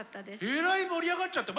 えらい盛り上がっちゃって。